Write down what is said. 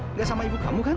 nggak sama ibu kamu kan